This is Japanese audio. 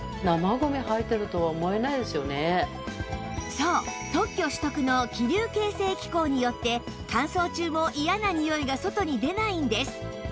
そう特許取得の気流形成機構によって乾燥中も嫌なにおいが外に出ないんです